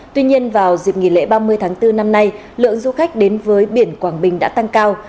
tuy nhiên vào dịp nghỉ lễ ba mươi tháng bốn năm nay lượng du khách đến với biển quảng bình đã tăng cao